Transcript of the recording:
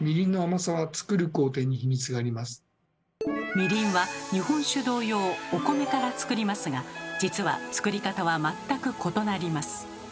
みりんは日本酒同様お米からつくりますが実はつくり方は全く異なります。